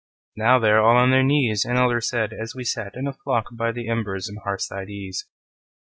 "Now they are all on their knees,"An elder said as we sat in a flock By the embers in hearthside ease.